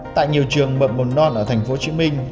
tại nhiều trường mập mầm non ở tp hcm